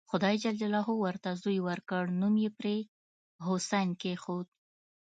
خدای ج ورته زوی ورکړ نوم یې پرې حسین کېښود.